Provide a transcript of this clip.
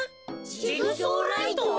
「ジグソーライト」？